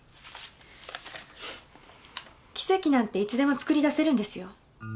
奇跡なんていつでも作り出せるんですよ。